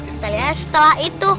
kita liat setelah itu